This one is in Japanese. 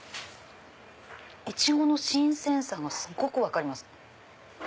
イチゴの新鮮さがすっごく分かります。